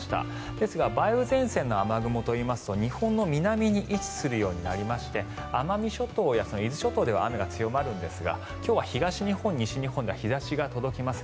ですが梅雨前線の雨雲といいますと日本の南に位置するようになりまして奄美諸島や伊豆諸島では雨が強まるんですが今日は東日本、西日本では日差しが届きます。